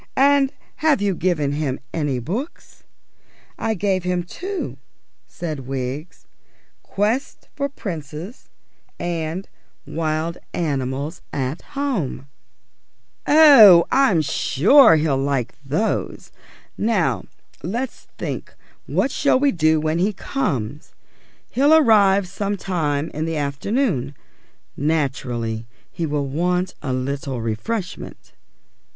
And have you given him any books?" "I gave him two," said Wiggs. "Quests for Princes, and Wild Animals at Home." "Oh, I'm sure he'll like those. Now let's think what we shall do when he comes. He'll arrive some time in the afternoon. Naturally he will want a little refreshment."